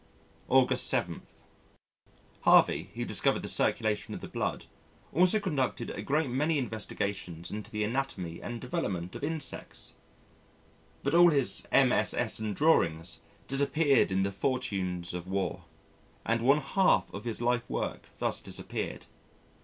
August 7. Harvey who discovered the circulation of the blood also conducted a great many investigations into the Anatomy and development of insects. But all his MSS. and drawings disappeared in the fortunes of war, and one half of his life work thus disappeared.